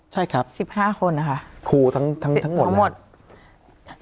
ใช่ครับครูทั้งหมดนะครับสิบห้าคน